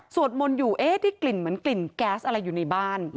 มนต์อยู่เอ๊ะได้กลิ่นเหมือนกลิ่นแก๊สอะไรอยู่ในบ้าน